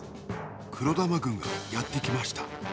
黒玉軍がやってきました。